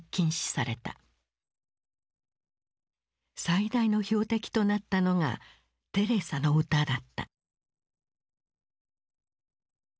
最大の標的となったのがテレサの歌だった。